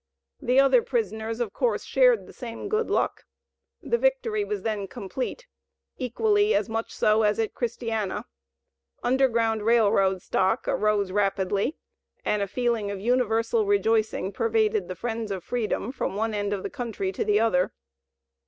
The other prisoners, of course, shared the same good luck. The victory was then complete, equally as much so as at Christiana. Underground Rail Road stock arose rapidly and a feeling of universal rejoicing pervaded the friends of freedom from one end of the country to the other.